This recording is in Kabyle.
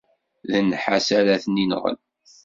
D nnḥas ara ten-inɣen.